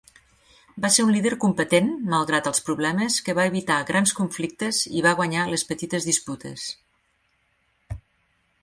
Va ser un líder competent, malgrat els problemes, que va evitar grans conflictes i va guanyar les petites disputes.